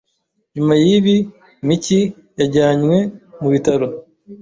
Nyuma yibi, Miki yajyanywe mu bitaro.